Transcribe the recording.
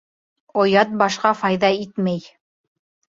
Оят башҡа файҙа итмәй.